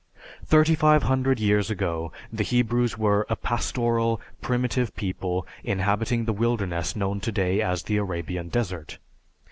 Thirty five hundred years ago, the Hebrews were a pastoral, primitive people inhabiting the wilderness known today as the Arabian Desert.